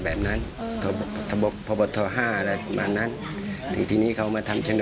บางที่นามนี่ก็ปลูกบะล้าวเหลวรองกองเรามีแล้ว